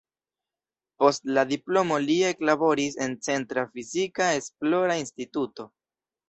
Post la diplomo li eklaboris en "Centra Fizika Esplora Instituto".